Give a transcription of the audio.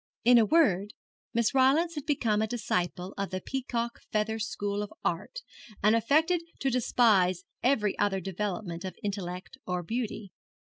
In a word, Miss Rylance had become a disciple of the peacock feather school of art, and affected to despise every other development of intellect, or beauty.